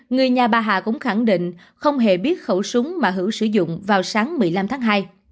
người nhà bà hà cũng khẳng định không hề biết khẩu súng mà hữu sử dụng vào sáng một mươi năm tháng hai